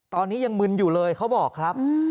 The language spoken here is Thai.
ตอนนี้ยังมึนอยู่เลยเขาบอกครับ